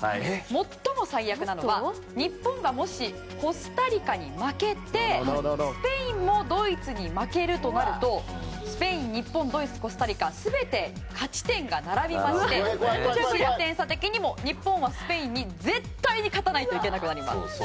最も最悪なのは日本がコスタリカに負けてスペインもドイツに負けるとなるとスペイン、日本、ドイツコスタリカ、全て勝ち点が並びまして得失点差的にも日本はスペインに絶対に勝たないといけなくなります。